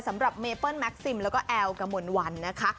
สำหรับเมเปิ้ลแม็กซิมแล้วก็แอลกมลวันนะคะ